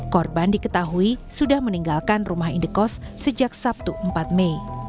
korban diketahui sudah meninggalkan rumah indekos sejak sabtu empat mei